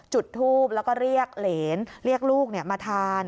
จุดทูบแล้วก็เรียกเหรนเรียกลูกมาทาน